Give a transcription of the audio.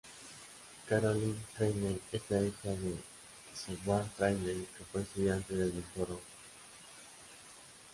Carolyn Trainer es la hija de Seward Trainer que fue estudiante del Doctor Octopus.